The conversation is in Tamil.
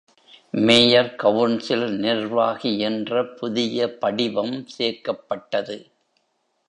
மேயர்-கவுன்சில்-நிர்வாகி என்ற புதிய படிவம் சேர்க்கப்பட்டது.